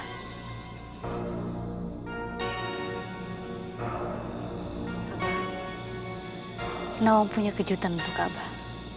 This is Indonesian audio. kenapa punya kejutan untuk kabar